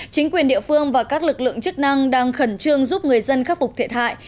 chính quyền địa phương và các lực lượng chức năng đang khẩn trương giúp người dân khắc phục thiệt hại